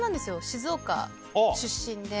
静岡出身で。